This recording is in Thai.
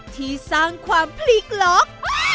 ที่สร้างความพลิกล็อก